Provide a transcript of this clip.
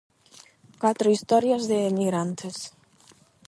Catro historias de emigrantes.